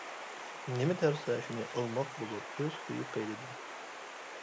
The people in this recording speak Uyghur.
نېمە تەرسە شۇنى ئالماق بولۇر ئۆز خۇيى-پەيلىدىن.